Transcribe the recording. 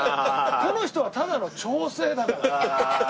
この人はただの調整だから。